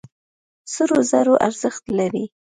سرو زرو ارزښت لري.